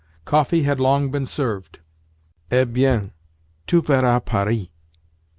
Coffee had long been served. "Eh bien, tu verras Paris.